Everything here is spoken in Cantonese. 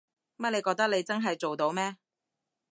乜你覺得你真係做到咩？